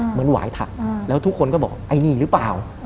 หวายถักแล้วทุกคนก็บอกไอ้นี่หรือเปล่า